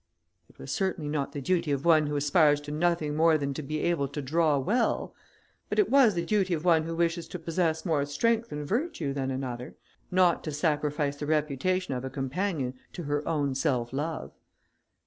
"It was certainly not the duty of one who aspires to nothing more than to be able to draw well, but it was the duty of one who wishes to possess more strength and virtue than another, not to sacrifice the reputation of a companion to her own self love.